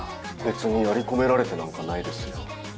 別にやり込められてなんかないですよ。